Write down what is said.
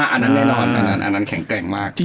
อันนั้นแน่นอนอันนั้นแข็งแกร่งมาก